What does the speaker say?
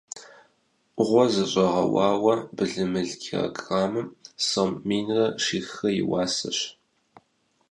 Ӏугъуэ зыщӏэгъэуауэ былымыл килограммым сом минрэ щихрэ и уасэщ.